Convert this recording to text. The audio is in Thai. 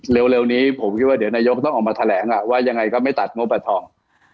เร็วนี้ผมคิดว่าเดี๋ยวนายกต้องออกมาแถลงล่ะว่ายังไงก็ไม่ตัดงบบัตรทอง